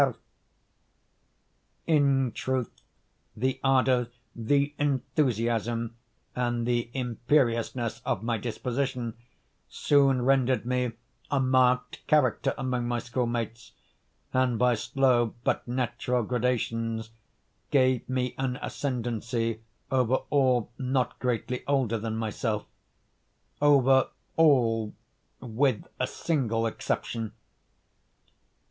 _" In truth, the ardor, the enthusiasm, and the imperiousness of my disposition, soon rendered me a marked character among my schoolmates, and by slow, but natural gradations, gave me an ascendancy over all not greatly older than myself;—over all with a single exception.